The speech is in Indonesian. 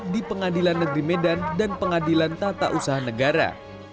di pengadilan negeri medan dan pengadilan tata usaha negara